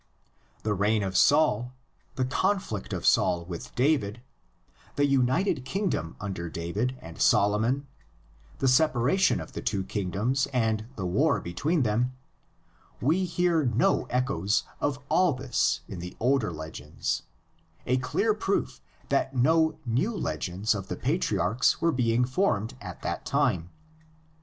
The reign of Saul, the conflict of Saul with David, the united kingdom under David and Solomon, the separation of the two kingdoms and the war between them, — we hear no echoes of all this in the older legends; a clear proof that no new legends of the patriarchs were being formed at that tirne.